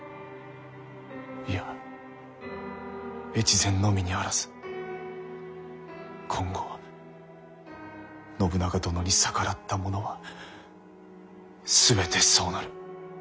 いや越前のみにあらず今後信長殿に逆らった者は全てそうなる。